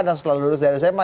dan setelah lulus dari sma